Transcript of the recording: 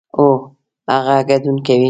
هو، هغه ګډون کوي